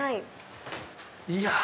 いや。